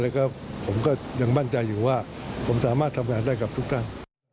แล้วก็ผมก็ยังมั่นใจอยู่ว่าผมสามารถทำงานได้กับทุกท่าน